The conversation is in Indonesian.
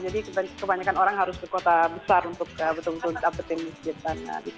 jadi kebanyakan orang harus ke kota besar untuk betul betul mencapai tempat ibadah